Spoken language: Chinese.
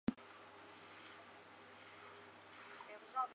清朝崇德元年建旗。